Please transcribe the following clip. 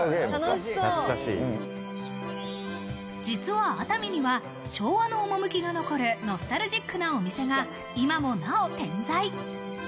実は熱海には昭和の趣が残るノスタルジックなお店が、今もなお点在。